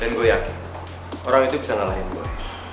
dan gua yakin orang itu bisa ngalahin gua